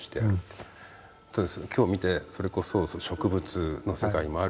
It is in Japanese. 今日見てそれこそ植物の世界もある。